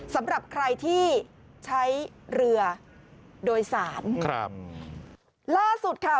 สำหรับใครที่ใช้เรือโดยสารครับล่าสุดค่ะ